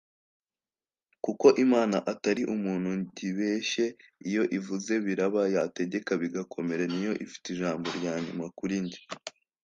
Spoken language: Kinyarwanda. Kuko Imana atari Umuntu ngibeshye iyo ivuze biraba yategeka bigakomera niyo ifite ijambo rya nyuma kuri jye”